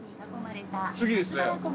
次ですね。